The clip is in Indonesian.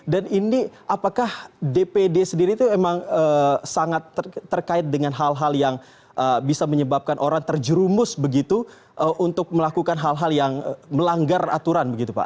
dan ini apakah dpd sendiri itu emang sangat terkait dengan hal hal yang bisa menyebabkan orang terjerumus begitu untuk melakukan hal hal yang melanggar aturan begitu pak